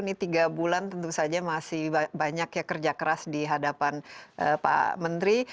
ini tiga bulan tentu saja masih banyak ya kerja keras di hadapan pak menteri